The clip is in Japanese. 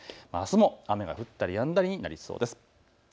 あすも雨が降ったりやんだりになりそうです。